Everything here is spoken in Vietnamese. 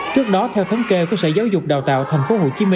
trước đó theo thống kê của sở giáo dục đào tạo tp hcm